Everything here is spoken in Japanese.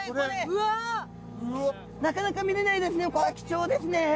なかなか見れないですね。